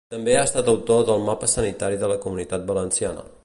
També ha estat autor del Mapa Sanitari de la Comunitat Valenciana.